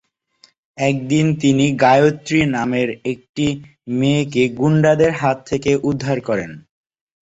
একদিন তিনি গায়ত্রী নামের একটি মেয়েকে গুন্ডাদের হাত থেকে উদ্ধার করেন।